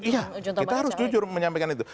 iya kita harus jujur menyampaikan itu